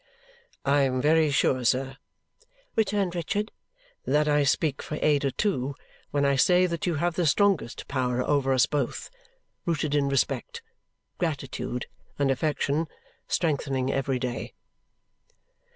"I am very sure, sir," returned Richard, "that I speak for Ada too when I say that you have the strongest power over us both rooted in respect, gratitude, and affection strengthening every day."